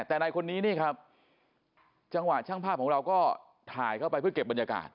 แต่ในคนนี้นี่ครับจังหวะช่างภาพของเราก็ถ่ายเข้าไปเพื่อเก็บบรรยากาศ